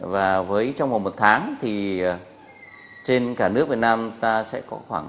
và với trong một tháng thì trên cả nước việt nam ta sẽ có khoảng